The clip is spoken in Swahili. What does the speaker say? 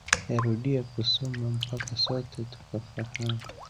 Erudia kusoma mpaka sote tukafahamu